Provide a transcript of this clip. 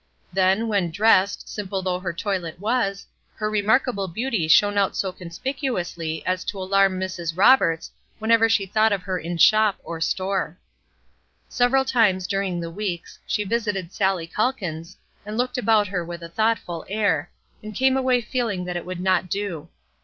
Then, when dressed, simple though her toilet was, her remarkable beauty shone out so conspicuously as to alarm Mrs. Roberts whenever she thought of her in shop or store. Several times during the weeks, she visited Sallie Calkins, and looked about her with a thoughtful air, and came away feeling that it would not do.